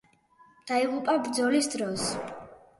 დაიღუპა ბრძოლის დროს.